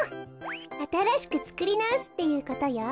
あたらしくつくりなおすっていうことよ。